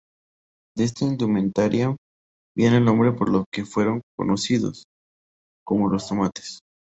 De esta indumentaria viene el nombre por el que fueron conocidos, como ""los tomates"".